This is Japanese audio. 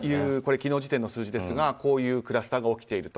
昨日時点の数字ですがクラスターが起きていると。